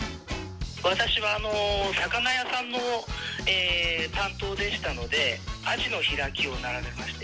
私は魚屋さんの担当でしたので、アジの開きを並べまして。